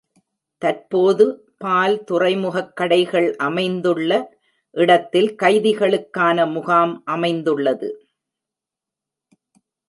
தற்போது பால் துறைமுகக் கடைகள் அமைந்துள்ள இடத்தில் கைதிகளுக்கான முகாம் அமைந்துள்ளது.